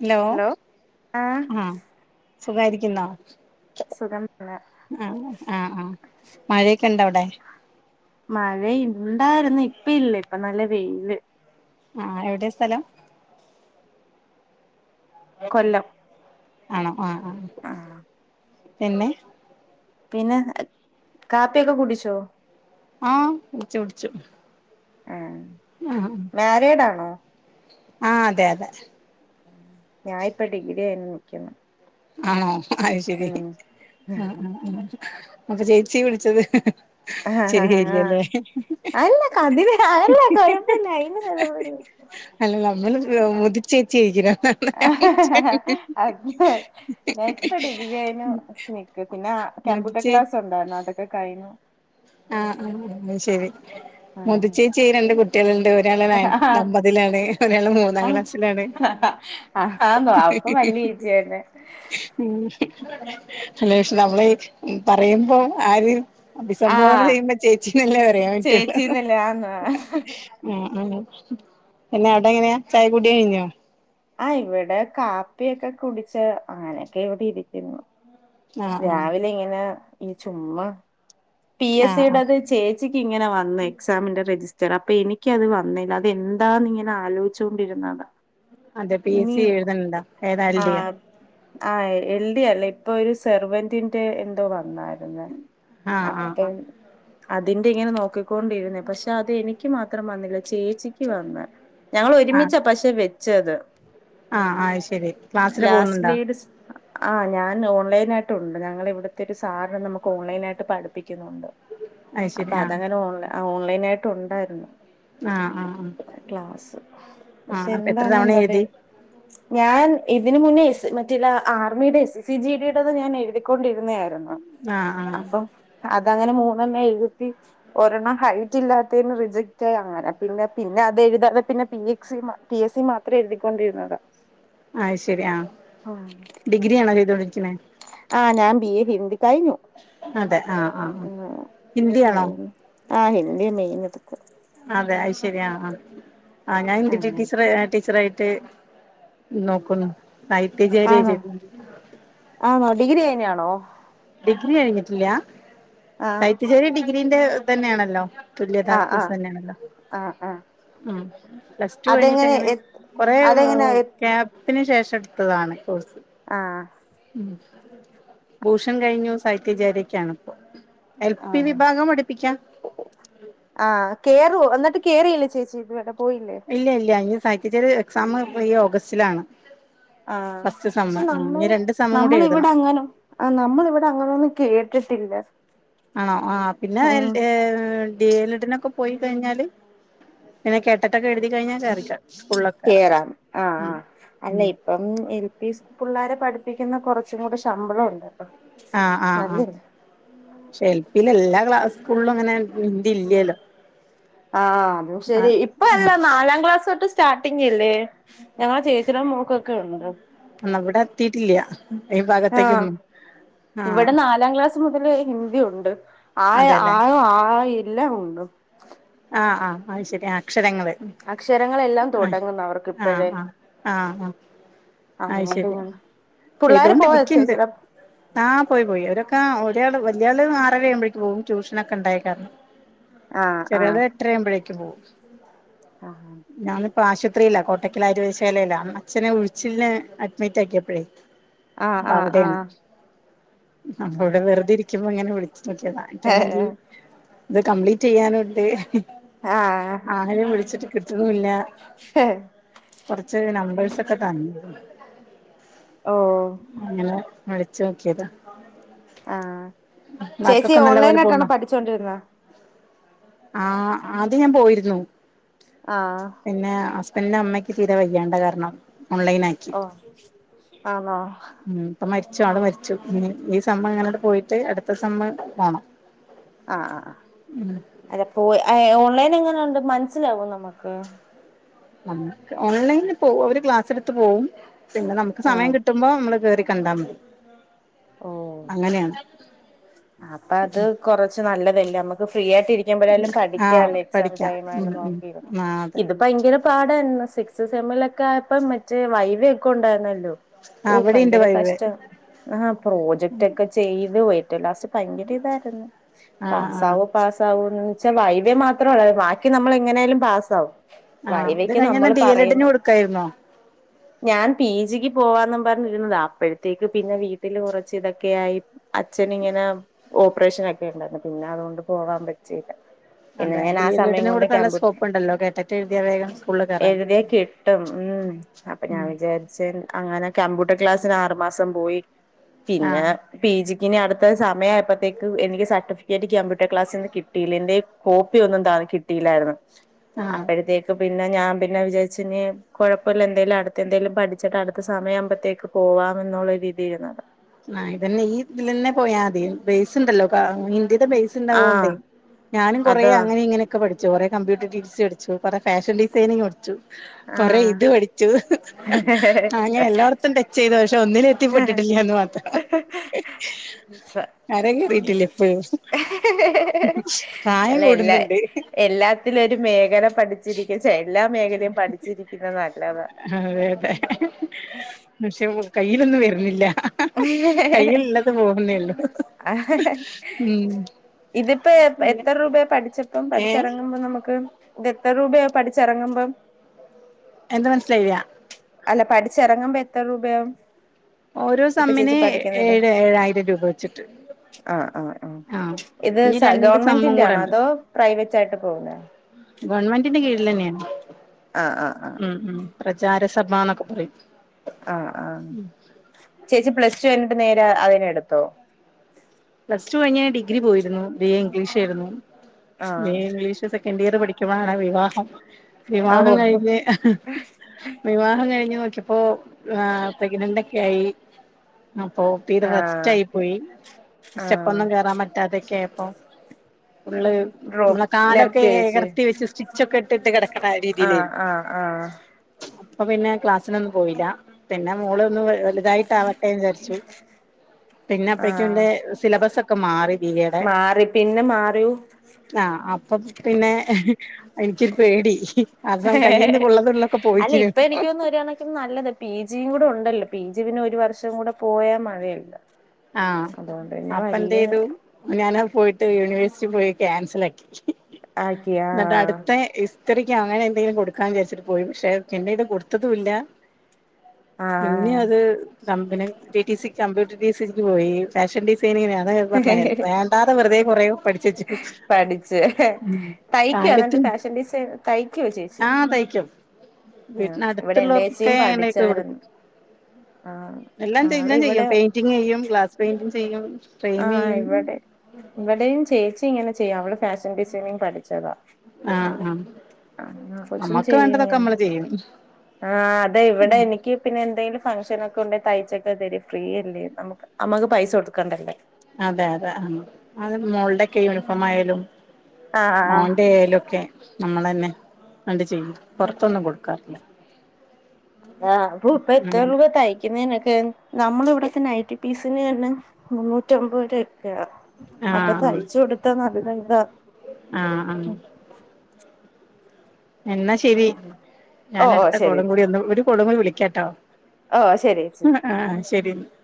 Hello ആഹ് ആ സുഖാരിക്കുന്നോ? സുഖം തന്നെ ആഹ ആഹ് ആഹ് മഴയൊക്കെ ഉണ്ട അവിടെ മഴ ഇണ്ടായിുന്ന് ഇപ്പ ഇല്ല ഇപ്പ നല്ല വെയില് ആഹ് എവിടെ സ്ഥലം? കൊല്ലം ആണോ ആഹ് ആ പിന്നെ? പിന്നെ കാപ്പിയൊക്കെ കുടിച്ചോ? ആഹ് കുടിച്ചു കുടിച്ചു ഉം ആഹ് മാരീഡ് ആണോ? ആഹ് അതെ അതെ ഞാനിപ്പ ഡിഗ്രി കയിഞ് നിൽക്കുന്നു ആണോ അത് ശരി ഉം ഉം ഉം അപ്പൊ ചേച്ചി വിളിച്ചത് ഹ് ഹ് ആഹ് ആഹ് ആഹ് അല്ല കതി അല്ല കുഴപ്പില്ല അയിന് ചിലവള്ള അല്ല നമ്മള് മുതിച്ചേച്ചരിക്കണം ഹ് ആഹ് ആഹ് ഹ് അത് ഹ് ഞാൻ ഇപ്പ ഡിഗ്രി കഴിഞ്ഞ് നിക്ക് പിന്നെ കമ്പ്യൂട്ടർ മുതിച്ചേ ക്ലാസ് ഉണ്ട് ണ്ടാർന്നു അതൊക്കെ കഴഞ്ഞു ആഹ് ശരി ആഹ് മുതിച്ചേചിയായ് രണ്ട് കു ട്ടിലുണ്ട് ഒരാള് ന ഒമ്പതിലാണ് ഒരാള് മൂന്നാം ക്ലാസ്സിലാണ് ആഹ് ഹ് ആഹാന്നോ അപ്പൊ വലിയ ചേച്ചിന്നെ ഉം അല്ല പക്ഷെ നമ്മള് പറയുമ്പോ ആര് സംഭവം ആഹ് അറിയുമ്പോൾ ചേച്ചിക്ക് അറിയാൻ പറ്റുലാ ചേച്ചിന്നില്ല ആന്ന് ഉം ഉം പിന്നെ അവിടെ എങ്ങനെയാ ചായ കുടി കഴിഞ്ഞോ? ആ ഇവിടെ കാപ്പിയൊക്കെ കുടിച്ച് അങ്ങനെയൊക്കെ ഇവിടെ ഇരിക്കുന്നു ആഹ് ആഹ് രാവിലെ ഇങ്ങനെ ഈ ചുമ്മാ പി എസ് ആഹ് ആഹ് സിയുടെത് ചേച്ചിക്ക് ഇങ്ങനെ വന്നു എക്സാമിന്റെ രജിസ്റ്റ റ്ററ് എനിക്ക അത് വന്നില്ല അത് എന്താന്ന് ഇങ്ങെ ആലോചിച്ചുകൊണ്ടിരുന്നതാ അതെ പി എസ് സി എഴുതണ്ട ഏതാ എൽ ഡിയ? ആഹ് എൽ ഡി അല്ല ഇപ്പൊ ഒരു സെർവന്റിന്റെ എന്തോ വന്നായിരുന്നു ആഹ് ആഹ് ആഹ് അപ്പം അതിന്റെ ഇങ്ങനെ നോക്കിക്കൊണ്ടിരുന്നേ പക്ഷെ അത് എനിക്ക് മാത്രം വന്നില്ല ചേച്ചി ക്ക് വന്ന് ഞങ്ങൾ ആഹ് ഒരുമിച്ചാ പക്ഷെ വെച്ചത് ആഹ് ആയ്ശരി. ക്ലാസ്സിന് പോകുന്നുണ്ട? ആഹ് ഞാൻ ഓൺലൈനായിട്ടുണ്ട് ഞങ്ങള ഇവിടുത്തെ ഒരു സാര്‍ നമുക്ക് ഓൺലൈനായിട്ട് പഠിപ്പിക്കുന്നുണ്ട് അത് ശരി അപ്പൊ ആഹ് അതങ്ങനെ ഓൺല ഓൺലൈൻ ആയിട്ട് ഉണ്ടായിരുന്നു ആഹ് ആഹ് ആഹ് ക്ലാസ്. പക്ഷെ ആഹ് അപ്പൊ എത്ര എന്താണ് തവണ എന്താത്? എഴുതി ഞാൻ ഇതിന് മുന്നേ എസ് മറ്റില്ല ആർമിയുടെ എസ് സി ജി ഡിയുടെ ഞാൻ എഴുതിക്കൊണ്ടിരുന്നായിരു ന്നു ആഹ് ആഹ് അപ്പം അതങ്ങനെ മൂന്നെണ്ണഴുതി ഒരെണ്ണം ഹൈറ്റ് ഇല്ലാത്തന് റിജക്റ്റ് ആയി അങ്ങനെ പിന്നെ പിന്നെ അത് എഴുതാതെ പിന്നെ പി എക്സി മ പി എസ് സി മാത്രം എഴുതിക്കൊണ്ടിരുന്നതാ അഹ് ശരിയാ ഡിഗ്രി ആണോ ചെയ്തൊണ്ടിരിക്കനേ ആന്ന് ഞാൻ ബിഎ ഹിന്ദി കഴിഞ്ഞു അതെ ആഹ് ആഹ് ആ് ഹിന്ദി ആണോ ആഹ് ഹിന്ദി മെയൻ എടുക്കുവ അതെ അത് യ്ശരിയ ആഹ് ഞാൻ എയ്ട്ട് അങ്ങനെ ടീച്ചർ ടീച്ചറായിട്ട് നോക്കുന്നു [unintelligible] ആഹ് ഡിഗ്രി കഴിഞ്ഞ ആണോ ഡിഗ്രി കഴിഞ്ഞിട്ടില്ല ആ സൈത്യശേരി ഡിഗ്രീന്റെ തന്നെയാണല്ലോ തുല്യതാ ആ ആ തന്നെയല്ലെ ആ ആ ഉം പ്ലസ് ടു കഴിഞ്ഞിട്ട് അതെങ്ങനെ എങ്ങനെ എ കു കുറെ അതെങ്ങനെ എ ക്യാപ് ത്തിന് ശേഷം എടുത്തതാണ് കോഴ്സ് ആഹ് ഉം ഭൂഷൺ കഴിഞ്ഞു സൈത്യാചാാര്യക്കാാണ് ഇപ്പൊ എൽ പി ആഹ് വിഭാഗം പഠപ്പിക്കാം ആഹ് കേയറു എന്നിട്ട് കേയറിയില്ലേ ചേച്ചി ഇവിടെ ഇല്ല ഇല്ല അഹ് സഹിച്ചിച്ചരു എക്സാം ഈ ഓഗസ്റ്റിലാണ് ആഹ് ഫസ്റ്റ് പക്ഷെ സെമ്മ് നമ്മൾ ഇനി രണ്ട് സെമ്മും കൂടി നമ്മൾ ഇവിടെ എഴുതണം അങ്ങനെ ആഹ് നമ്മള ഇവിടെ അങ്ങനെൊന്നും കേട്ടിട്ടില്ല ആണോ ആഹ് പിന്നെ ആഹ് എ ഡി എൽഡ പോയി കഴിഞ്ഞാല് പിന്നെ കെട്ടിട്ടൊക്കെ എഴുതി കഴിഞ്ഞാൽ സതിക്കാം കേറാം ആഹ് ആഹ് ഉം അല്ല അപ്പം എൽ പി പിള്ളേരെ പഠിപ്പിക്കുന്ന കുറച്ചും കൂടെ ശമ്പളം ഉണ്ടല്ലോ ആഹ് ആഹ് ആഹ് പക്ഷെ എൽ പിയില എല്ലാ ക്ലാസ്കിലും അങ്ങനെ ഹിന്ദി ഇല്ലല്ലോ ആഹ് അത് ആഹ് ശരിയ ഇപ്പ അല്ല ആഹ് നാലാം ക്ലാസ് തൊട്ട് സ്റ്റാർട്ടിങ്ല്ലേ ഞങ്ങ ചേച്ചിയുടെ മൂക്കൊക്കെ ഉണ്ട് എന്ന അവിടെ എത്തിട്ടില്ല ഈ ആഹ് ഭാഗത്തേക്കൊന്നും ആഹ് മുതൽ ഹിന്ദി ഉണ്ട് ആഹ് അതെല്ലേ ആയ ആല്ല ഉണ്ട് ആഹ് ആ്ഹ് അത് ശരി ആഹ് അക്ഷരങ്ങള് അക്ഷരങ്ങളെല്ലാം ആഹ് തുടങ്ങുന്നു അവർക്ക് ആഹ് ഇപ്പോഴേ ആഹ് ആഹ് ആഹ് അതുകൊണ്ട് അയ്ശരി പിള്ളേര് ചെയ്തോണ്ട് പോയോ ഇരിക്കണ്ട്. ചേച്ചിടെ ആഹ് പോയി പോയി അവരൊക്കെ ഒരാള് വല്യാള് ആറരഴുമ്പോഴേക്ക് പോകും, ട്യൂഷനൊക്കെ ഉണ്ടായ കാരണം. ആഹ് ആഹ് ചെറിയോള് എട്ടരഴുമ്പോഴേക്കും പോവും ഞാൻ ഇപ്പൊ ആശുപത്രിയില, കോട്ടയ്ക്കൽ ആര്യ വൈദ്യശാലയില അച്ഛനെ ഉഴിച്ചിലിന് അഡ്മിറ്റ് ആക്കിയപ്പോഴേ ആഹ് അപ്പോ ആഹ് അവിടെയാണ് ആഹ് ഇവിടെ വെറുതെരിക്ക ക്കുമ്പോ ഇങ്ങനെ വിളിച്ചു നോക്കിയത ഇൻക്കാണെങ്കിൽ ഇത് കംപ്ലീറ്റ് ചെയ്യാനുണ്ട്. ആഹ് ആരെയും വിളിച്ചിട്ട് കിട്ടുണുല്ല. കുറച്ച് നമ്പഴ്സൊക്കെ കണ്ടു. ഓഹ്. അങ്ങനെ വിളിച്ചു നോക്കിയതാ. ആഹ് ചേച്ചി വർക്കൊക്കെ നല്ല ഓൺലൈൻ പോലെ ആയിട്ടണോ പോന്നോ പഠിച്ചോണ്ടിരുന്നത്. ആഹ് ആദ്യ ഞാൻ പോയിരുന്നു. ആഹ്. പിന്നെ ഹസ്ബൻഡിന്റെ അമ്മക്ക് തീരെ വയ്യേണ്ട കാരണം ഓൺലൈനായി. ഓഹ് ആണോ. ഇപ്പോ മരിച്ചു ആള് മരിച്ചു, ഈ സമ്മ് ഇങ്ങനണ്ട് പോയിട്ട് അടുത്ത സമ്മ് പോണം. ആഹ് ആഹ് അതപ്പോ ഓൺലൈൻ എങ്ങനണ്ട് മനസ്സിലാവോ നമ്മുക്ക്. ഓൺലൈനി പോവും അവര് ക്ലാസ് എടുത്ത് പോവും, പിന്നെ നമുക്ക് ആഹ് സമയം കിട്ടും. മ്പോ നമ്മള് കേറി കണ്ടാ മതി. ഓ അങ്ങനെയാണ് അപ്പോ അത് കൊറച്ച് നല്ലതല്ലേ, നമ്മുക്ക് ഫ്രീ ആയിട്ട് ഇരി ക്കുമ്പോഴേ ആഹ് പഠിക്കല്ലോ എക്സാം പഠിക്കാം ടൈം ഉം ആയാലും ഉം നോക്കി ആഹ് അതെ ഇ ഭയങ്കര പാടായിര്ന്നു സിക്സ് സെമ്മിലൊക്കെ ആയപ്പോ മറ്റേ വൈവെ ഒക്കെ ഉണ്ടായിരുന്നല്ലോ. ആഹ് ഓഹ് ഇവിടെണ്ട് ഭയങ്കര വൈവെ കഷ്ടം. ആഹ് പ്രോജക്റ്റൊക്കെ ചെയ്ത് ഏറ്റവും ലാസ്റ്റ് ഭയങ്കര ഇതായിരുന്നു ആഹ് ആഹ് പാസ്സാവോ പാസ്സ സാവോന്ന് വെച്ചാ വൈവെ മാത്രള്ളായി ബാക്കി നമ്മളെങ്ങനെലും പാസ്സാവും. ആഹ് ഇത് വൈവെക്ക് കഴിഞ്ഞന്നാ നമ്മള് ഡി എൽ എഡിന് പറയുന്ന. കൊടുക്കായിരുന്നോ ഞാൻ പി ജിക്ക് പോവാന്നും പറഞ്ഞിരുന്നതാ അപ്പഴത്തേക്ക് പിന്നെ വീ ട്ടില് കൊറച്ച് ഇതൊക്കെയായി അച്ഛന്ങ്ങനെ. ഓപ്പറേഷനൊക്കെ ഉണ്ടായിരുന്നു പിന്നെ അതുകൊണ്ട് പോവാാൻ പറ്റിയില്ല. പിന്നെ അതെ ഞാൻ ഡി ആ എൽ സമയം എഡിന് കൊണ്ട് കൊടുത്ത നല്ല കമ്പ്യൂ സ്കോപ്പ് ഉണ്ടല്ലോ കേട്ടിട്ട് എഴുതിയ വേഗം സ്കൂളിൽ കയറാലോ എഴുതിയാ കിട്ടും ഉം. അപ്പ ഞാ ഉം വിചാരിച്ച് അങ്ങനെ കമ്പ്യൂട്ടർ ക്ലാസ്സിന് ആറുമാസം പോയി. പിന്നെ ആഹ് പി ജിക്ക് ഇനി അടുത്ത സമയായപ്പത്തേക്ക് എനിക്ക് സർട്ടിഫിക്കറ്റ് ക്യമ്പ്യൂട്ടർ ക്ലാസ്ന്ന് കിട്ട ട്ടിലന്റെ കോപ്പി ഒന്നും ന്താ കിട്ടിയില്ലായിരുന്നു ആഹ് അപ്പഴത്തേ ക് പിന്നെ ഞാൻ പിന്നെ വിചാരിച്ചിനി. കൊഴപ്പല്ല എന്തേലും അടുത്തന്തെങ്കലും പഠിച്ചിട്ട് അടുത്ത സമയ ആകുമ്പത്തേക്ക് പോവാമെന്നുള്ള രീതിയിരുന്നാണ്. ആ ഇതന്നെ ഈ ഇതിലെന്നെ പോയാതി ബേസ് ണ്ടല്ലോ കാ ഇന്ത്യ ത ബേസ് ആഹ് ണ്ടാവോണ്ടേ ഞാനും കൊറേ അതാ അങ്ങനിം ങ്ങനെ. ക്ക പഠ്ച്ചു കൊറെ കമ്പ്യൂട്ടർ ടീ ടീ സി പഠിച്ചു കൊറെ ഫാഷൻ ഡിസൈനിങ് പഠ്ച്ചു. കൊറെ ആഹ് ഇത് പഠിച്ചു ആ അങ്ങനെ എല്ലായിടത്തും ടച്ചെയ്തു പക്ഷേ ഒന്നിലും. ത്തിപ്പെട്ടിട്ടില്ലാന്ന് മാത്രം. സ. കര കേറിയിട്ടില്ല ഇപ്പഴും പ്രായം അല്ല എല്ല കൂടുന്നുണ്ട് എല്ലാത്തിലും ഒരു മേഖല പഠിച്ചിരിക്കുക ചെ എല്ലാ മേഖലയും പഠിച്ചിരിക്കുന്ന‌ നല്ല. അതെ പക്ഷെ വു കയ്യിലൊന്നും വര്നില്ല. കയ്യിലുളളത് പോവുന്നേ ഉള്ളു ഉം. ഇതിപ്പെ പിന്നെ എത്ര രൂപയാ പഠിച്ചപ്പം ഏ പഠിച്ചിറങ്ങുമ്പോ നമുക്ക്. ഇതെത്ര രൂപയാവു പഠിച്ചെറങ്ങുമ്പം. എന്ത മനസ്സിലായില്ല. അല്ല പഠിച്ചെറങ്ങുമ്പ എത്ര രൂപയാവും? ഓരോ ഇപ്പൊ ചേച്ചി സമ്മിന് പഠിക്കുന്നില്ലേ ഏഴ് ഏഴായിരം രൂപ വെച്ചിട്ട്. ആഹ് ആഹ്. ആഹ് ഇത് ഇനി സ രണ്ട് സമ്മും ഗവൺമെന്റിന്റെ കൂടെ ആണോ ഉണ്ട് അതോ പ്രൈവറ്റ് ആയിട്ട് പോകെ. ഗവൺമെന്റിന്റെ കീഴിൽന്നെയാ. ആഹ് ആഹ് ആഹ്. പ്രചാര സഭന്നൊക്കെ പറയും. ആഹ് ആഹ് ചേച്ചി പ്ലസ് ടു കൈഞ്ഞിട്ട് നേരെ അതിനെടുത്തോ. പ്ലസ് ടു കഴിഞ് ഡിഗ്രി പോയിരുന്നു ബി എ ഇംഗ്ലീഷ് ഏര്ന്നു ആഹ് B A English second year പഠിക്കുമ്പഴാണ് വിവാഹം വിവാഹം ഓ കഴിഞ്ഞ്. വിവാഹം കഴിഞ്ഞ് നോക്ക്യപ്പോ ആ പ്രഗ്നന്റ് ഒക്കെ ആയി. അപ്പൊ തിരെ ആഹ് റെസ്റ്റായി ഓക്കെ പോയി. ആഹ് സ്റ്റപ്പൊന്നും കേറാൻ പറ്റാതൊക്കെയപ്പൊ ഫുള്ള്. മ്മള ഡ്രോപ്പ് കാലൊക്കെ നിർത്തിയോ ചേച്ചി എകർത്തി വെച്ച് സ്റ്റിച്ചൊക്കെ ഇട്ടിട്ട് കെടക്കണ ആഹ് രീതിയിലെര്ന്നു. ആഹ് ആഹ് പ്പ പിന്നെ ക്ലാസ്സിനൊന്നും പോയില്ല പിന്നെ മോളൊന്ന് വ വലുതായിട്ട് ആവട്ടെന്ന് വിചാരിച്ചു. പിന്നെ അപ്പഴേക്കും ന്റെ ആഹ് സിലബസൊക്കെ മാറി ബീയെ ടെ. മാറി പിന്നെ മാറിയൂ ആഹ് അപ്പം പിന്നെ എനിക്ക്യൊരു പേടി. കാരണം കയ്യിന്ന് കൊള്ളതുള്ളൊക്കെ അല്ല പോയിക്കിന് ഇപ്പ എനിക്ക് തോനുന്നു ഒരു കണക്കിന് നല്ലത്. പി ജിയും കൂടെ ഉണ്ടല്ലോ പി ജി പിന്നെ ഒരു വർഷം കൂടെ പോയാ മതിയല്ലോ. ആഹ് അപ്പന്തെയ്തു ഞാനത് പോയിട്ട് യൂണിവേഴ്സിറ്റി പോയി ക്യാൻസലാക്കി. ആക്കിയ ന്നട്ടടുത്തെ ഇസ്. സ്റ്ററിക്കൊ അങ്ങനെ എന്തെങ്കിലും കൊടുക്കാന്ന് വിചാരിച്ചിട്ട് പോയി പക്ഷെ പിന്നെ ഇത് കൊടുത്തതുംല്ലാ. ആ പിന്നി അത്. Company T T C computer T C സിക്ക് പോയി ഫാഷൻ ഡിസൈനിങ്ങിനാ അതാ ഞാൻ പറഞ്ഞത് ആഹ് വേണ്ടാതെ വെറുതെ കുറേ പഠിച്ച് വെച്ചിക്ക്‌ തയ്ക്കൊ എന്നട്ട് ഫാഷൻ ഡിസൈൻ തയ്ക്കുവോ ചേച്ചി ആ തയ്ക്കും ആ വീട്ടിന് ഇവിടെ എന്റെ ചേച്ചിയും അടുത്തുള്ളോർക്കൊക്കെ ഞാൻ തെയ്ച്ച് പഠിച്ചായിരുന്നു കൊടുക്കും ആ എല്ലാം ചെയ്യും ആള് ഞാൻ ഇവിടെ ചെയ്യും പെയിന്റിങ് ചെയ്യും ഗ്ലാസ് പെയിന്റിങ് ചെയ്യും ആ ഫ്രെയിം ചെയ്യും ഇവിടെ ഇവിടെയും ചേച്ചി ഇങ്ങനെ ചെയ്യും അവള് ഫാഷൻ ഡിസൈനിങ് പഠിച്ചതാ ആഹ് ആഹ് ആഹ് കൊച്ചും നമ്മക്ക് ചെയ്യും വേണ്ടതൊക്കെ ഇങ്ങനെ നമ്മള് ചെയ്യും ആഹ അതെ ഇവിടെ എനിക്ക് പിന്നെ എന്തെങ്കിലും ഫംഗ്ഷന് ഒക്കെ ഉണ്ടെ തയ്ച്ചൊക്കെ തരും ഫ്രീയല്ലേ നമ്മക്ക് നമ്മക്ക് പൈസ കൊടുക്കണ്ടല്ലേ അതെ അതെ ആഹ് അത് മോളുടെക്കെ യൂണിഫോം ആയാലും ആഹ് ആഹ് മോന്റെ ആയാലൊക്കെ നമ്മളെന്നെ അണ്ട് ചെയ്യും പൊറത്തൊന്നും കൊടുക്കാറില്ല ആഹ [unintelligible] എത്ര അങ്ങനെ രൂപ തയി തയ്ക്കുന്നതിനൊക്കെ നമ്മളെ ഇവിടെക്കെ നൈറ്റ് പിസിന് തന്നെ മുന്നൂറ്റിമ്പത് രൂപ ഒക്കെയാ അപ്പൊ ആഹ് തയ്ച്ചു കൊടുത്താ നല്ല ഇതാ ആഹ എന്നാ ശെരി ഞാൻ ഓഹ് ഓഹ് അടുത്ത ശരി കൊളും കൂടി ഒന്ന് ഒരു കോളും കൂടി വിളിക്കാട്ടോ ഒ ശരി ഏച്ചി ആ ആ ശെരി ന്നാ